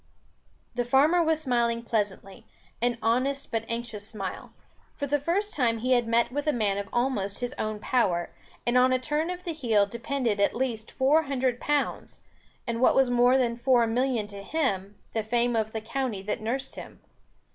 The farmer was smiling pleasantly, an honest but anxious smile. For the first time he had met with a man of almost his own power; and on a turn of the heel depended at least four hundred pounds, and what was more than four million to him, the fame of the county that nursed him.